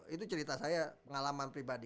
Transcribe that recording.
itu cerita saya pengalaman pribadi